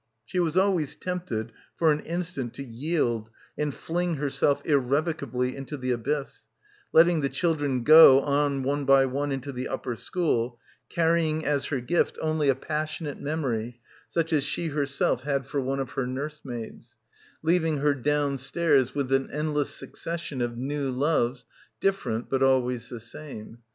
She was always tempted for an instant to yield and fling herself irrevocably into the abyss, letting the children go on one by one into the upper school, carrying as her gift only a passionate memory such as she herself had for one of her nursemaids; leaving her downstairs — 271 — PILGRIMAGE I with an endless successes of new loves, different, but always the same.